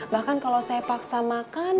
bahkan kalau saya paksa makan